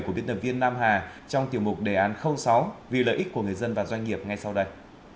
của biên tập viên nam hà trong tiểu mục đề án sáu vì lợi ích của người dân và doanh nghiệp ngay sau đây